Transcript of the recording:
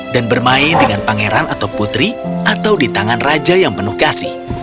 dan bermain dengan pangeran atau putri atau di tangan raja yang penuh kasih